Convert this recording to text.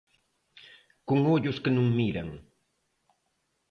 Con ollos que non miran.